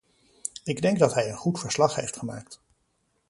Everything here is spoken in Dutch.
Ik denk dat hij een goed verslag heeft gemaakt.